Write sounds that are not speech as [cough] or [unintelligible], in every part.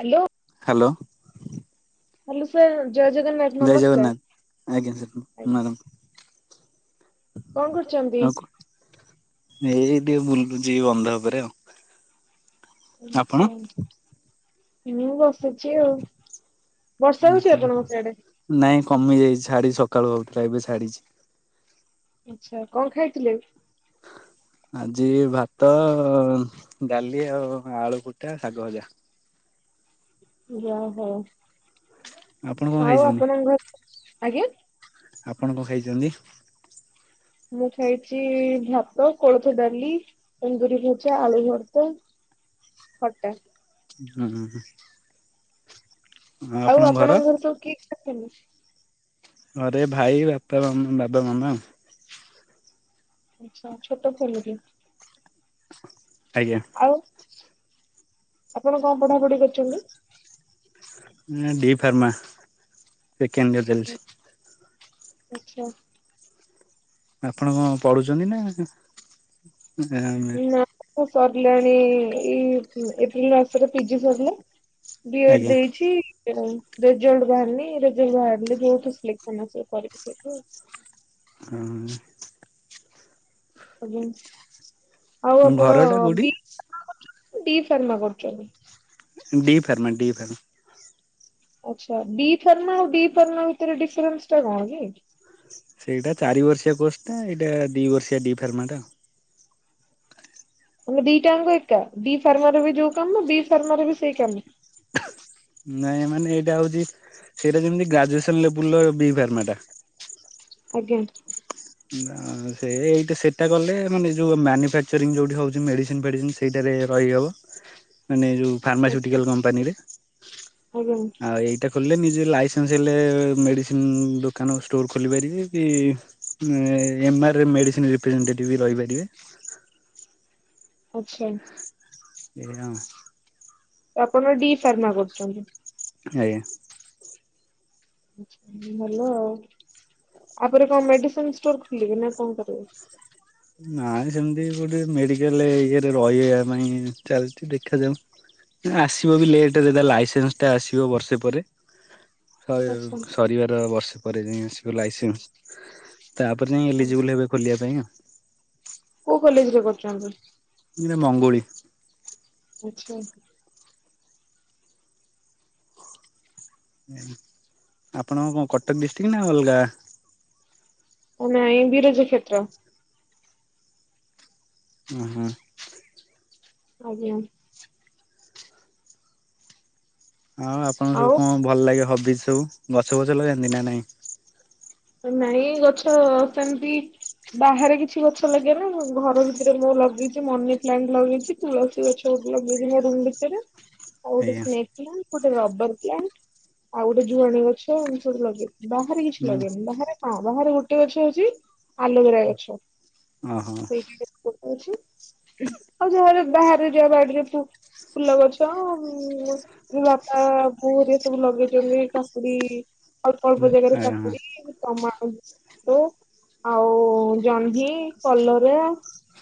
Hello. Hello. Hello sir ଜୟ ଜଗନ୍ନାଥ। ଜୟ ନମସ୍କାର। ଜଗନ୍ନାଥ ଆଜ୍ଞା ସାର ମାଡ଼ାମ୍। କଣ କରୁଛନ୍ତି? ଏଇ ଟିକେ ବୁଲୁଛି ବନ୍ଧ ଉପରେ ଆଉ ଆପଣ? ଆଛା ମୁଁ ବସିଛି ଆଉ ବର୍ଷା ହଉଛି ଆପଣଙ୍କ ସିଆଡେ? ନାଇଁ କମି ଯାଇଛି ଛାଡି ସକାଳୁ ହଉଥିଲା ଏବେ ଛାଡିଛି। ଆଚ୍ଛା କଣ ଖାଇଥିଲେ? ଆଜି ଭାତ ଡାଲି ଆଉ ଆଳୁଫୁଟା ଶାଗ ଭଜା। ଯାହା ହଉ। ଆପଣ କଣ ଆଉ ଖାଇଛନ୍ତି ଆପଣଙ୍କ ଘରେ? ଆଜ୍ଞା ଆପଣ କଣ ଖାଇଛନ୍ତି? ମୁଁ ଖାଇଛି ଭାତ କୋଳଥ ଡାଲି କୁନ୍ଦୁରି ଭଜା ଆଳୁ ଭତ୍ତା ଖଟା। ଉଁ ହୁଁ ହୁଁ। ଆଉ ଆପଣଙ୍କ ଘର ସବୁ କିଏ କି ଅଛନ୍ତି? ଘରେ ଭାଇ ବାପା ମା ବାବା ମାମା। ଆଚ୍ଛା ଛୋଟ ଫାମିଲି। ଆଜ୍ଞା। ଆଉ ଆପଣ କଣ ପଢାପଢି କରିଛନ୍ତି? ଡି ଫାର୍ମା ସେକେଣ୍ଡିୟର ଚାଲିଛି। ଆଚ୍ଛା। ଆପଣ କଣ ପଢୁଛନ୍ତି ନା ଆଁ ଆ ହଁ ସରିଲାଣି ଏଇ ଏପ୍ରିଲ ମାସରେ ପିଜି ସରିଲା। ବିଏଡ଼ ଦେଇଛି। ରେଜଲ୍ଟ ବାହାରିନି ରେଜଲ୍ଟ ବାହାରିଲି ଯୋଉଠୁ ସିଲେକ୍ସନ ଆସିବ କରିବି ସେଇଠି। ହୁଁ ସେ। ଆଜ୍ଞା ଆଉ ଆପଣ ଘରଟା କୋଉଠି? ବି ଫାର୍ମା ଡି ଫାର୍ମା କରୁଛନ୍ତି? D pharma D pharma. ଆଚ୍ଛା ବି ଫାର୍ମା ଆଉ ଡି ଫାର୍ମା ଭିତରେ ଡିଫରେନ୍ସଟା କଣ କି? ସେଇଟା ଚାରି ବର୍ଷିଆ କୋର୍ସଟା ଏଇଟା ଦି ବର୍ଷିଆ ଡି ଫାର୍ମାଟା। ମାନେ ଦିଟା ଯାକ ଏକା ଡ଼ି ଫାର୍ମର ବି ଯୋଉ କାମ ବି ଫାର୍ମର ବି ସେଇ କାମ। ନାଇଁ ମାନେ ଏଇଟା ହଉଚି ସେଇଟା ଯେମିତି ଗ୍ରାଜୁଏସନ ଲେବୁଲର ବି ଫାର୍ମା ଟା। ଆଜ୍ଞା। ସେ ଏଇଟା ସେଇଟା କଲେ ମାନେ ଯୋଉ ମାନୁଫାଚରିଂ ଯୋଉଠି ହଉଚି ମେଡିସିନ୍ ଫେଡିସିନ୍ ସେଇଟାରେ ରହିହବ। ମାନେ ଯୋଉ ଆଚ୍ଛା ଫାର୍ମାସ୍ୟୁଟିକାଲ୍ କମ୍ପାନୀରେ। ଆଜ୍ଞା ଆଉ ଏଇ ଏଇଟା ଖୋଲିଲେ ନିଜେ ଲାଇସେନ୍ସ ହେଲେ ମେଡ଼ିସିନ୍ ଦୋକାନ ଷ୍ଟୋର୍ ଖୋଲିପାରିବେ କି ଏମାରେ ମେଡ଼ିସିନ୍ ରିପ୍ରେଜେଣ୍ଟଟେଟିଭ୍ ରହିପାରିବେ। ଆଚ୍ଛା। ଏଇଆ ଆଉ। ତ ଆପଣ ଡି ଫାର୍ମା କରୁଚନ୍ତି? ଆଜ୍ଞା। ଭଲ ଆଉ। ଆ ପରେ କଣ ମେଡିସିନ ଷ୍ଟୋର ଖୋଲିବେ ନା କଣ କରିବେ? ନାଇଁ ସେମିତି ଗୋଟେ ମେଡିକାଲ ଇଏରେ ରହିବା ପାଇଁ ଚାଲିଚି ଦେଖାଯାଉ। ଆସିବ ବି ଲେଟେରେ ତା ଲାଇସେନ୍ସ ଟା ଆସିବ ବର୍ଷେ ପରେ। ସ ଆଚ୍ଛା ଆଚ୍ଛା, ସରିବାର ବର୍ଷ ପରେ ଯାଇଁ ଆସିବ ଲାଇସେନ୍ସ। ତାପରେ ଯାଇଁ ଇଲିଜିବୁଲ୍ ହେବେ ଖୋଲିବା ପାଇଁ ଆଉ। କୋଉ କଲେଜରେ କରୁଚନ୍ତି? ମଙ୍ଗୁଳି। ଆଚ୍ଛା। ଆପଣଙ୍କ କଣ କଟକ ଡିଷ୍ଟ୍ରି ନା ଅଲଗା? ନାଇଁ ବିରଜା କ୍ଷେତ୍ର। ଉଁ ହୁଁ। ଆଜ୍ଞା। ଆଉ ଆପଣଙ୍କୁ ସବୁ ଆଉ କଣ ଭଲ ଲାଗେ ହବିଜି ସବୁ? ଗଛ ଫଛ ଲଗାନ୍ତି ନା ନାଇଁ? ନାଇଁ ଗଛ ସେମତି ବାହାରେ କିଛି ଗଛ ଲଗେଇନି। ଘର ଭିତରେ ମୁଁ ଲଗେଇଚି ମନି ପ୍ଲାଣ୍ଟ ଲଗେଇଚି। ତୁଳସୀ ଗଛ ବି ଲଗେଇବି ମୋ ରୁମ୍ ଭିତରେ। ଆଉ ଗୋଟେ ଆଜ୍ଞା ସ୍ନେକ୍ ପ୍ଲାଣ୍ଟ ଗୋଟେ ରବର ପ୍ଲାଣ୍ଟ ଆଉ ଗୋଟେ ଯୁଆଣୀ ଗଛ ଏମିତି ସବୁ ଲଗେଇ ବାହାରେ କିଛି ହୁଁ। ଲଗେଇନି। ବାହାରେ ହଁ ବାହାରେ ଗୋଟେ ଗଛ ଅଛି। ଆଲୋଭେରା ଗଛ, ଓହୋ ସେଇଠି ଗୋଟେ ଗଛ। ଆଉ ଯାହା ବି ବାହାରେ ଯା ବାଡିରେ ଫୁଲ ଗଛ ମୋ ବାପା ବୋଉ ହେରିକା ସବୁ ଲଗେଇଛନ୍ତି କାକୁଡି ଅଳ୍ପ ଅଳ୍ପ ଜାଗାରେ ଆଜ୍ଞା କାକୁଡି। ଟମାଟୋ, ଆଉ ଜହ୍ନି କଲରା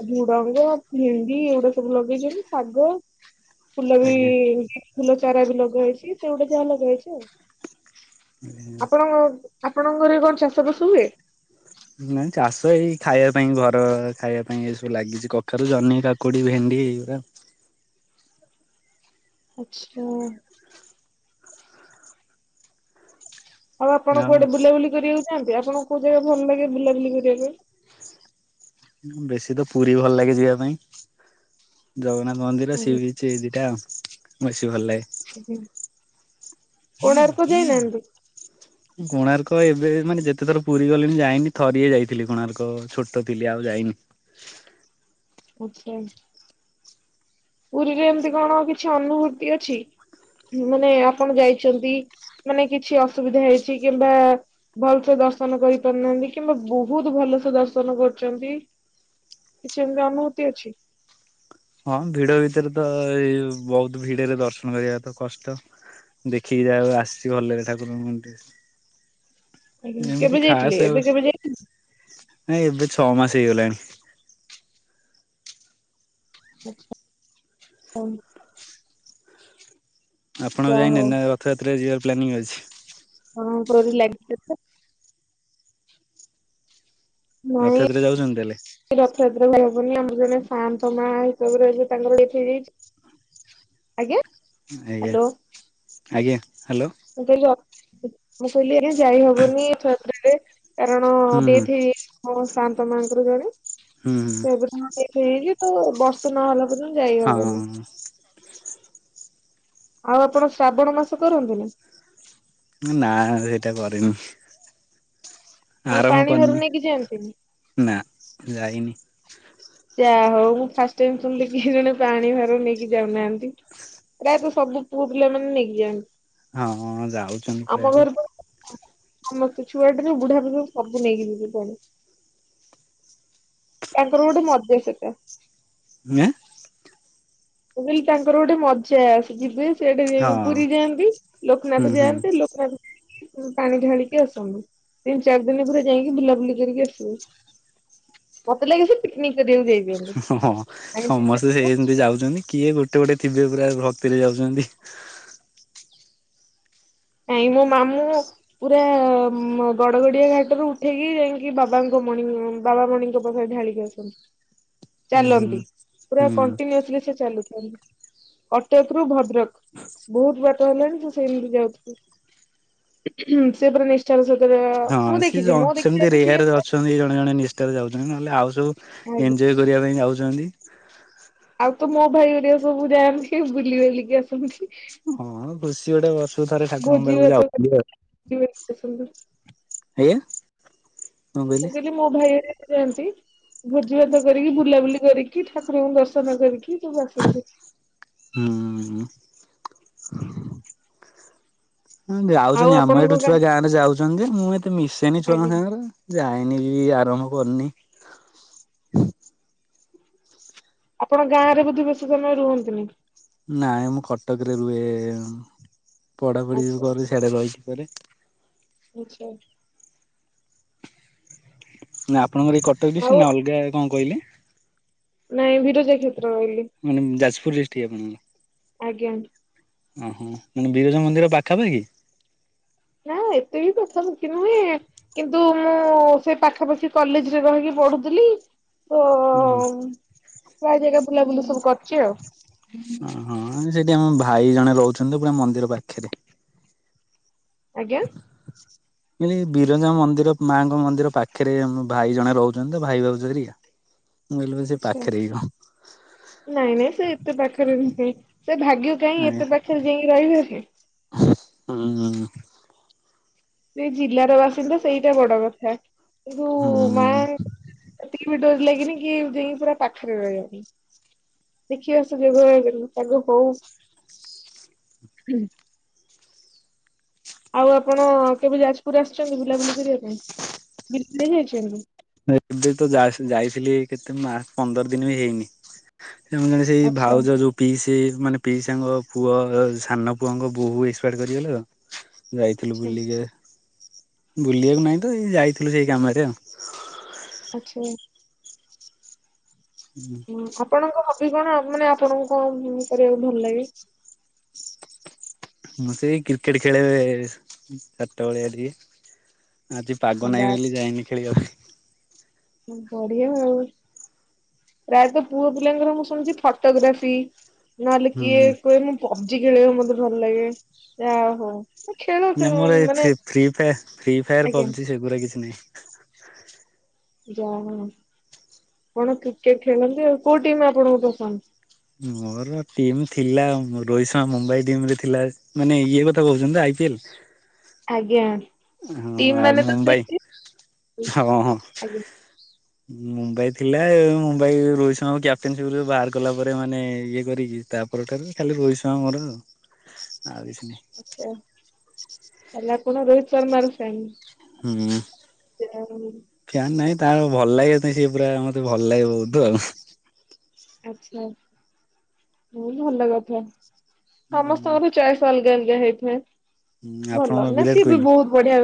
ଆଉ ଝୁଡଙ୍ଗ, ଭେଣ୍ଡି ଏଗୁଡା ସବୁ ଲଗେଇଛନ୍ତି ଶାଗ। ଫୁଲ ବି ଆଜ୍ଞା। ଫୁଲ ଚାରା ବି ଲଗାହେଇଚି। ସେଗୁଡା ଯାହା ଲଗାହେଇଚି ଆଉ। ଆପଣଙ୍କ ଆପଣଙ୍କ ଘରେ କଣ ଚାଷପାସ ହୁଏ? ନାଇଁ ଚାଷ ଏଇ ଖାଇବା ପାଇଁ ଘର ଖାଇବା ପାଇଁ ଏସବୁ ଲାଗିଚି କଖାରୁ, ଜହ୍ନି, କା କୁଡି, ଭେଣ୍ଡି ଏଇଗୁରା। ଆଚ୍ଛା। ଆଉ ଆପଣ କୁଆଡେ ବୁଲାବୁଲି କରିବାକୁ ଯାଆନ୍ତି? ଆପଣଙ୍କୁ କୋଉ ଜାଗା ଭଲ ଲାଗେ ବୁଲାବୁଲି କରିବାପାଇଁ? ବେଶୀ ତ ପୁରୀ ଭଲ ଲାଗେ ଯିବା ପାଇଁ। ଜଗନ୍ନାଥ ମନ୍ଦିର ସିଏ ଆଜ୍ଞା ବି ସେଇ ଦିଟା ବେଶି ଭଲ ଲାଗେ। ଆଜ୍ଞା। କୋଣାର୍କ ଯାଇନାହାନ୍ତି? [inaudible] କୋଣାର୍କ ଏବେ ମାନେ ଯେତେ ଥର ପୁରୀ ଗଲିଣି ଯାଇନି। ଥରିଏ ଯାଇଥିଲି କୋଣାର୍କ ଛୋଟ ଥିଲି ଆଉ ଯାଇନି। [unintelligible] ପୁରୀରେ ଏମତି କଣ କିଛି ଅନୁଭୂତି ଅଛି? ମାନେ, ଆପଣ ଯାଇଛନ୍ତି ମାନେ କିଛି ଅସୁବିଧା ହେଇଛି କିମ୍ବା ଭଲସେ ଦର୍ଶନ କରି ପାରିନାହାନ୍ତି କିମ୍ବା ବହୁତ ଭଲ ସେ ଦର୍ଶନ କରିଚନ୍ତି। କିଛି ଏମିତି ଅନୁଭୂତି ଅଛି? ହଁ ଭିଡ ଭିତରେ ତ ଏଇ ବହୁତ ଭିଡରେ ଦର୍ଶନ କରିବା ତ କଷ୍ଟ। ଦେଖିକି ଯାହା ହୋଉ ଆସିଛି ଭଲରେ ଠାକୁରଙ୍କ ମୁ ଆଜ୍ଞା। ଏମିତି କେବେ ଯାଇଥିଲେ ଖାସ ଆଉ ଏବେ କେବେ ଯାଇଥିଲେ? ନାଇଁ ଏବେ ଛଅ ମାସ ହେଇଗଲାଣି। ଆଚ୍ଛା। ଆପଣ ଆଚ୍ଛା ଯାଇନାହାନ୍ତି ହଉ ନା ରଥଯାତ୍ରାରେ ଯିବାର ପ୍ଲାନିଂ ଅଛି? ହଁ ଡୋରି ଲାଗିଲେ ତ। ନାଇଁ ରଥଯାତ୍ରାରେ ଯାଉଛନ୍ତି ତାହେଲେ? ରଥଯାତ୍ରା କୁ ଯାଇ ହବନି ଆମର ଜଣେ ସାଆନ୍ତ ମା ହିସାବରେ ଏବେ ତାଙ୍କର ଡେଥ୍ ହେଇଯାଇଛି। ଆଜ୍ଞା ଆଜ୍ଞା, ହ୍ୟାଲୋ। ଆଜ୍ଞା ହ୍ୟାଲୋ। ମୁଁ ଅ ମୁଁ କହିଲି ଆଜ୍ଞା ଯାଇହବନି ରଥଯାତ୍ରାରେ। କାରଣ ହୁଁ ହୁଁ ଡେଥ୍ ହେଇଯାଇଛି ମୋ ଶାନ୍ତମାଙ୍କର ଜଣେ। ହୁଁ ହୁଁ। ସେ ଏବେ ହଁ ଆଉ ଆପଣ ଶ୍ରାବଣ ମାସ କରନ୍ତିନି? ନା, ସେଇଟା କରେନି। ଆପଣ ଆରମ୍ଭ ପାଣି ଭାର କରିନି ନେଇକି ଯାଆନ୍ତିନି? ନା ଯାଇନି। ଯାହା ହଉ ମୁଁ ଫାଷ୍ଟ ଟାଇମ୍ ଶୁଣିଲି କି ଜଣେ ପାଣି ଭାର ନେଇକି ଯାଉନାହାନ୍ତି। ପ୍ରାୟ ତ ସବୁ ପୁଅ ପିଲା ମାନେ ନେଇକି ଯାଆନ୍ତି। ହଁ, ଯାଉଛନ୍ତି ଆମ ପ୍ରାୟତ। ଘରେ ତ ସମସ୍ତେ ଛୁଆ ଠାରୁ ବୁଢା ବୁଢୀ ପଯ୍ୟନ୍ତ ସବୁ ନେଇକି ଯିବେ ପାଣି। ତାଙ୍କର ଗୋଟେ ମଜା ସେଟା। ଇଆଁ। ମୁଁ କହିଲି ତାଙ୍କର ଗୋଟେ ମଜା ସିଏ ଯିବେ। ସେଠି ଯାଇକି ହଁ ପୁରୀ ଯାଆନ୍ତି ହୁଁ ଲୋକନାଥ ହୁଁ ଯାଆନ୍ତି ଲୋକନାଥ ପାଣି ଢାଳିକି ଆସନ୍ତି। ତିନି ଚାରି ଦିନ ପୁରା ଯାଇକି ବୁଲାବୁଲି କରିକି ଆସିବେ। ମତେ ଲାଗେ ସିଏ ପିକନିକ୍ କୁ ଯାଏ ହଁ ହଁ ସମସ୍ତେ ସେମିତି ଯାଉଛନ୍ତି। କିଏ ଗୋଟେ ଗୋଟେ ଥିବେ ପୁରା ଭକ୍ତିରେ ଯାଉଛନ୍ତି। ନାଇଁ ମୋ ମାମୁଁ ପୁରା ଗଡଗଡିଆ ଘାଟରୁ ଉଠେଇକି ଯାଇକି ବାବାଙ୍କ ମଣି ବାବା ମଣିଙ୍କ ଢାଳିକି ଆସନ୍ତି। ହୁଁ ହୁଁ ଚାଲନ୍ତି ପୁରା ହୁଁ କଣ୍ଟିନୁୟୁଲି ସେ ଚାଲୁଥାନ୍ତି। କଟକ ରୁ ଭଦ୍ରକ ବହୁତ ବାଟ ହେଲାଣି ସେ ସେଇମିତି ଯାଉଥ ସେ ପୁରା ନିଷ୍ଠ ର ସହିତ ରେ ହଁ ସିଏ ଜ ସେମିତି ରେୟର ଅଛ ଜଣେ ଜଣେ ନିଷ୍ଠାରେ ଯାଉଛନ୍ତି ନହେଲେ ଆଉ ସବୁ ଆଜ୍ଞା ଇଞ୍ଜୋୟ କରିବା ପାଇଁ ଯାଉଛନ୍ତି। ଆଉ ତ ମୋ ଭାଇ ହେରିକା ସବୁ ଯାଆନ୍ତି ବୁଲି ବାଲିକି ଆସନ୍ତି। ହଁ ଖୁସି ଗୋଟେ ବର୍ଷ କୁ ଥରେ ଠାକୁରଙ୍କ ଭୋଜି ପାଖକୁ ଭାତ କରି ଯାଉଛନ୍ତି ଆଉ। ବୁଲିବାଲିକି ଆସନ୍ତି। ଆଜ୍ଞା କଣ ମୁଁ କହିଲେ? କହିଲି ମୋ ଭାଇ ହେରିକା ଯାଆନ୍ତି ଭୋଜିଭାତ କରିକି ବୁଲାବୁଲି କରିକି ଠାକୁରଙ୍କୁ ଦର୍ଶନ କରିକି ତୁ ବାସନ୍ତୀ। ହୁଁ। ହୁଁ ଆଉ ଯାଉଛନ୍ତି ଆମ ଆପଣଙ୍କ ଏଇଠୁ ଛୁଆ ଗାଁ ରେ ଯାଉଛନ୍ତି ମୁଁ ଏତେ ମିଶେନି ଛୁଆଙ୍କ ଆଜ୍ଞା ସାଙ୍ଗରେ। ଯାଇନି କି ଆରମ୍ଭ କରିନି। ଆପଣ ଗାଁ ରେ ବୋଧେ ବେଶୀ ସମୟ ରୁହନ୍ତିନି? ନାଇଁ ମୁଁ କଟକରେ ରୁହେ ପଢାପଢି ଆଚ୍ଛା କର ସିଆଡେ ରହିକି କରେ। ଆଛା। ନା ଆପଣଙ୍କର ଏଇ କଟକ ଡିଷ୍ଟି ଆଉ ନା ଅଲଗା କଣ କହିଲେ? ନାଇଁ ବିରଜା କ୍ଷେତ୍ର ଅହିଲି। ମାନେ ଯାଜପୁର ଡିଷ୍ଟ୍ ଆପଣଙ୍କର? ଆଜ୍ଞା। ଓହୋ ମାନେ ବିରଜ ମନ୍ଦିର ପାଖାପାଖି। ନା ଏତେ ବି ପାଖା ପାଖି ନୁହେଁ। କିନ୍ତୁ ମୁଁ ସେ ପାଖାପାଖି କଲେଜରେ ରହିକି ପଢୁଥିଲି ତ ଓ ହ। ପ୍ରାୟେ ଜାଗା ବୁଲାବୁଲା ସବୁ କରିୁଛି ଆଉ। ଓ ହଁ ସେଠି ଆମ ଭାଇ ଜଣେ ରହୁଛନ୍ତି ପୁରା ମନ୍ଦିର ପାଖରେ। ଆଜ୍ଞା। [inaudible] ମାନେ ବିରଞ୍ଜା ମନ୍ଦିର ମାଙ୍କ ମନ୍ଦିର ପାଖରେ ଆମ ଭାଇ ଜଣେ ରହୁଛନ୍ତି ତ ଭାଇ ଭାଉଜ ହେରିକା। ମୁଁ କହିଲି ସେ ଆଛା ପାଖରେ କି କଣ ନାଇଁ ନାଇଁ ସେ ଏତେ ପାଖେରେ ନୁହେଁ ସେ ଭାଗ୍ୟ କାହିଁ ଏତେ ପା ପାଖରେ ଯାଇଁକି ରହିବି। ହୁଁ ହୁଁ ହୁଁ। ସେଇ ଜିଲ୍ଲାର ବାସିନ୍ଦ ସେଇଟା ବଡ କଥା କିନ୍ତୁ ହୁଁ। ମା ଏତିକି ବି ଡୋରି ଲାଗିନି କି ଯାଇଁକି ପୁରା ପାଖରେ ରହିବ ଦେଖିବା ସେ ଯୋଗ ପାଗ ହଉ। ଆଉ ଆପଣ କେବେ ଯାଜପୁର ଆସିଛନ୍ତି ବୁଲାବୁଲି କରିବା ପାଇଁ [unintelligible] ଯାଇଛନ୍ତି। ଏବେ ତ ଯାସ ଯାଇଥିଲି କେତେ ମା ପନ୍ଦର ଦିନ ବି ହେଇନି। ଆମ ଜଣେ ସେଇ ଆଚ୍ଛା ଭାଉଜ ଯୋଉ। ପିଇସି ମାନେ ପିଇସାଙ୍ଗ ପୁଅ ସାନ ପୁଅଙ୍କ ବୋହୁ ଏକ୍ସପାର୍ଟ କରିଗଲେ ତ। ଯାଇଥିଲୁ ଆଚ୍ଛା। ବୁଲିକି ଆ ବୁଲିବାକୁ ନାହିଁ ତ ଏଇ ଯାଇଥିଲୁ ସେଇ କାମରେ ଆଉ। ଆଛା। ହୁଁ ହୁଁ ଆପଣଙ୍କ ହବି କଣ ମାନେ ଆପଣଙ୍କ କଣ କରିବାକୁ ଭଲ ଲାଗେ? ମୁଁ ସେଇ କ୍ରିକେଟ ଖେଳେ ଚାରିଟା ବଳିଆ ଟିକେ ଆଜି ହଁ ପାଗ ବା ନାହିଁ ବୋଲି ଯାଇନି ଖେଳିବା ବଢିଆ ଆଉ। ପ୍ରାୟତଃ ପୁଅ ପିଲାଙ୍କର ମୁଁ ଶୁଣିଛି ଫଟୋଗ୍ରାଫି। ନହେଲେ ହୁଁ କିଏ କହେ ମୁଁ ପବ୍ ଜି ଖେଳିବାକୁ ମତେ ଭଲ ଲାଗେ ଯା ହଉ। ଖେଳ ନା ମୋର ଏଇ ମାନେ ଫି ଫ୍ରି ଫାୟାର ଆଜ୍ଞା ପବଜି ସେଗୁଡା କିଛି ନାହିଁ। ଯାହା ହଉ ଆପଣ କ୍ରିକେଟ ଖେଳନ୍ତି ଆଉ କୋଉ ଟିମ୍ ଆପଣଙ୍କୁ ପସନ୍ଦ? ମୋର ଟିମ୍ ଥିଲା ମୋ ରୋହିତ ଶର୍ମା ମୁମ୍ବାଇ ଟିମରେ ଥିଲା। ମାନେ ଇଏ କଥା କହୁଛନ୍ତି ତ ଆଇ ପି ଏଲ୍। ଆଜ୍ଞା। ଟିମ୍ ଉଁ ଆଉ ମାନେ ତ ମୁମ୍ବାଇ ସେଇ ହଁ ହଁ। ଆଜ୍ଞା ମୁମ୍ବାଇ ଥିଲା ମୁମ୍ବାଇ ରୋହିତ ଶର୍ମାଙ୍କୁ କ୍ୟାପ୍ଟେନସିପରୁ ବାହାର କଲା ପରେ ମାନେ ଇଏ କରିକି ତା ପର ଠାରୁ ଖାଲି ରୋହିତ ଶର୍ମା ମୋର ଆଉ କିଛି ନାହିଁ। ଆଚ୍ଛା ତାହେଲେ ଆପଣ ରୋହିତ ଶର୍ମାର ଫ୍ୟାନ। ହୁଁ। ଯାହାହଉ। ଫ୍ୟାନ୍ ନାଇଁ ତାର ଭଲ ଲାଗେ ସେଇଥିପାଇଁ ସିଏ ପୁରା ମତେ ଭଲ ଲାଗେ ବହୁତୁ ଆଉ। ଆଚ୍ଛା ବହୁତ୍ ଭଲ କଥା ସମସ୍ତଙ୍କର ଚୟେସ୍ ଅଲଗା ଅଲଗା ହେଇଥାଏ ହୁଁ ଆପଣଙ୍କ ଭଲ ନା ବିରାଟ ସିଏ ବି ବହୁତ ବଢିଆ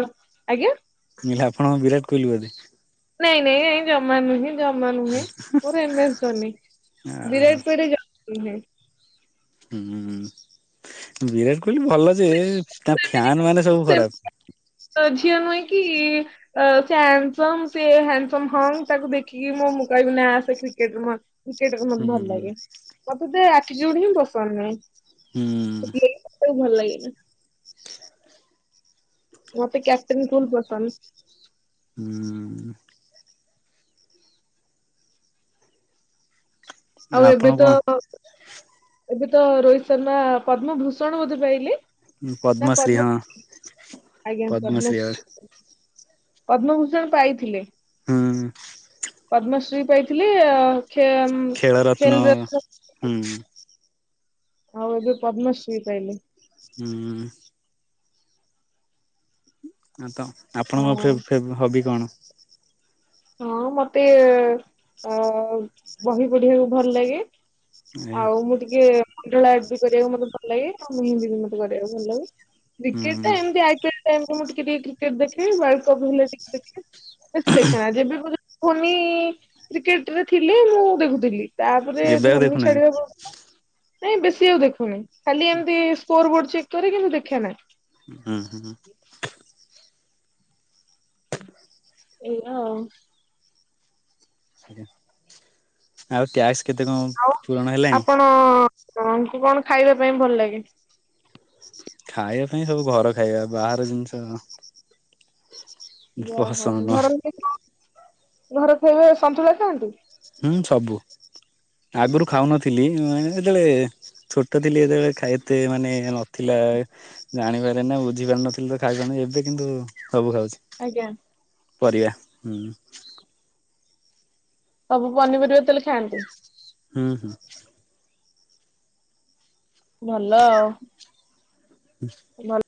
ଆଜ୍ଞା। [unintelligible] ଆପଣ ବିରାଟ କୋହିଲି ବୋଧେ? ନାଇଁ ନାଇଁ ଏଁ ଜମା ନୁହେଁ ଜମା ନୁହେଁ ମୋର ଏମ ଏସ୍ ଧୋନି। ଆ ହା। [unintelligible] ହୁଁ ବିରାଟ କୋହଲି ଭଲ ଯେ ତା ଫ୍ୟାନମାନେ ସବୁ ଖରାପ। ତ ଝିଅ ନୁହେଁ କି ଅ ସେ ହାଣ୍ଡସମ୍ ସିଏ ହାଣ୍ଡସମ୍ ହଁ ତାକୁ ଦେଖିକି ମୁଁ ମୁଁ କହିବିି ନାଁ ସେ କ୍ରିକେଟ କ୍ରିକେଟ ବି ହୁଁ ମତେ ଭଲ ଲାଗେ ମତେ ତା ଆଟିଚ୍ୟୁଡ ହିଁ ପସନ୍ଦ ନୁହେଁ ହୁଁ ଯେ ତାକୁ ଭଲ ଲାଗେ। ମତେ କ୍ୟାପଟେନ୍ ଫୁଲ୍ ପସନ୍ଦ। ହୁଁ। ଆଉ ଆପଣ ଏବେ ତ କଣ ଏବେ ତ ରୋହିତ ଶର୍ମା ପଦ୍ମ ଭୂଷଣ ବୋଧେ ପାଇଲେ? ନା ପଦ୍ମଶ୍ରୀ ପଦ୍ମ, ହଁ ଆଜ୍ଞା ପଦ୍ମଶ୍ରୀ। ପଦ୍ମଭୂଷଣ ପାଇଥିଲେ। ହୁଁ। ପଦ୍ମଶ୍ରୀ ପାଇଥିଲେ ଖେଳରତ୍ନ ଖେ-ଖେଲରେ ହୁଁ। ଆଉ ଏବେ ପଦ୍ମଶ୍ରୀ ପାଇଲେ। ହୁଁ। ହଁ ତ ଆପଣଙ୍କ ହଁ ଫେବ୍ ଫେବ୍ ହବି କଣ? ହଁ ମତେ ଅଁ ବହି ପଢିବାକୁ ଭଲ ଲାଗେ। ଏ ଆଉ ମୁଁ ଟିକେ [unintelligible] କରିବାକୁ ମୋତେ ଭଲ ଲାଗେ ଆଉ ମେହେନ୍ଦୀ ବି ମତେ କରିବାକୁ ଭଲ ଲାଗେ କ୍ରିକେଟ ଟା ହୁଁ ଏମିତି ଆଇ ପି ଏଲ୍ ଟାଇମ୍ କୁ ମୁଁ ଟିକେ ଟିକେ କ୍ରିକେଟ ଦେଖେଇ ୱାର୍ଲଡ କପ୍ ହେଲେ ଟିକେ ଦେଖେ। ବେଶୀ ଯେବେ ଠାରୁ ଧ୍ଵନି କ୍ରିକେଟରେ ଥିଲେ ମୁଁ ଦେଖୁଥିଲି। ତାପରେ ଏବେ ଆଉ ଧ୍ଵନି ଦେଖୁନାହାନ୍ତି ଛାଡିବାକୁ ନାଇଁ ବେଶୀ ଆଉ ଦେଖୁନି ଖାଲି ଏମିତି ସ୍କୋର ବୋର୍ଡ ଚେକ୍ କରେ କିନ୍ତୁ ଦେଖେନା। ହୁଁ ହୁଁ ହୁଁ। ଇହ। ଆଜ୍ଞା ଆଉ ଟ୍ୟାକ୍ସ କେତେ କଣ ପୂରଣ ହେଲାଣି? ଆଙ୍କୁ କଣ ଖାଇବା ପାଇଁ ଭଲ ଲାଗେ? ଖାଇବା ପାଇଁ ସବୁ ଘର ଖାଇବା ବାହାର ଜିନିଷ ଯହା ହଉ ପସନ୍ଦ ନୁହଁ ଘର ଘର ଖାଇବା ସନ୍ତୁଳା ଖାଆନ୍ତି? ହୁଁ ସବୁ, ଆଗରୁ ଖାଉନଥିଲି ଉଁ ଯେତେବେଳେ ଛୋଟ ଥିଲି ଯେତେବେଳେ ଖାଇ ଏତେ ମାନେ ନଥିଲା ଜାଣିପାରେନା ବୁଝିପାରୁ ନଥିଲି ତ ଖାଇବା ନେଇ ଏବେ କିନ୍ତୁ ସବୁ ଖାଉଛି। ଆଜ୍ଞା। ପରିବା ହୁଁ। ସବୁ ପନିପରିବା ତେଲେ ଖାଆନ୍ତି? ହୁଁ ହୁଁ। ଭଲ ଆଉ। ହୁଁ। ଭଲ୍।